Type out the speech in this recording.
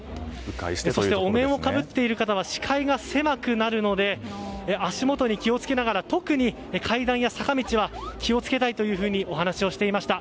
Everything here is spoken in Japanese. そして、お面をかぶっている方は視界が狭くなるので足元に気を付けながら特に階段や坂道は気を付けたいとお話をしていました。